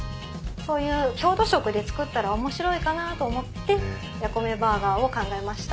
そういう郷土食で作ったら面白いかなと思ってやこめバーガーを考えました。